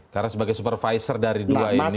karena sebagai supervisor dari dua ini